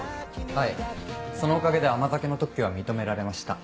はいそのおかげで甘酒の特許は認められました。